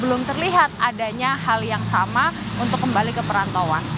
belum terlihat adanya hal yang sama untuk kembali ke perantauan